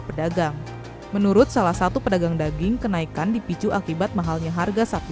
pedagang menurut salah satu pedagang daging kenaikan dipicu akibat mahalnya harga sapi